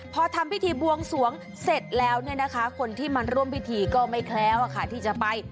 พอทำพิธีบวงสวงเสร็จแล้วคนที่มันร่วมพิธีก็ไม่แคล้วที่จะไป